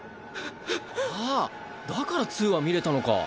ああだから「２」は見れたのか。